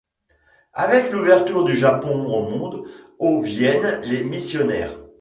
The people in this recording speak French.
Avec l'ouverture du Japon au monde au viennent les missionnaires.